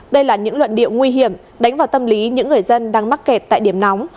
đây là những luận điệu nguy hiểm đánh vào tâm lý những người dân đang mắc kẹt tại điểm nóng